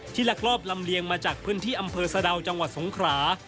ลักลอบลำเลียงมาจากพื้นที่อำเภอสะดาวจังหวัดสงขรา